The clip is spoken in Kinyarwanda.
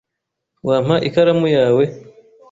Wampa ikaramu yawe?